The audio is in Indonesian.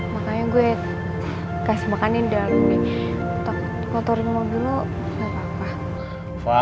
makanya gue kasih makanin dulu nih untuk motorin mobil lo gakpapa